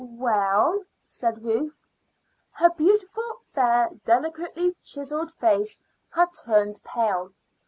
"Well?" said Ruth. Her beautiful, fair, delicately chiselled face had turned pale.